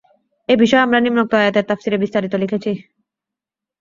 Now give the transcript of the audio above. এ বিষয়ে আমরা নিম্নোক্ত আয়াতের তাফসীরে বিস্তারিত লিখেছি।